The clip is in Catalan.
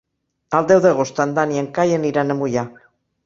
El deu d'agost en Dan i en Cai aniran a Moià.